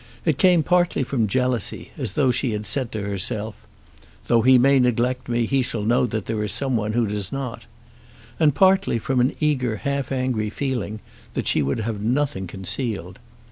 It came partly from jealousy, as though she had said to herself, "Though he may neglect me, he shall know that there is someone who does not;" and partly from an eager half angry feeling that she would have nothing concealed.